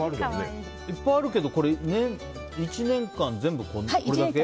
いっぱいあるけど１年間全部これだけ？